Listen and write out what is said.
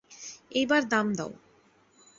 এইবার দাম দাও।